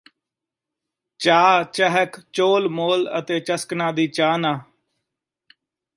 ਚਾਅ ਚਹਿਕ ਚੋਹਲ ਮੋਹਲ ਅਤੇ ਚਸਕਣਾ ਦੀ ਚਾਹਨਾ